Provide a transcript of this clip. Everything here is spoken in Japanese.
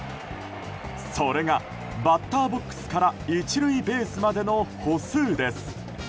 それが、バッターボックスから１塁ベースまでの歩数です。